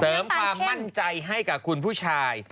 ความมั่นใจให้กับคุณผู้ชาย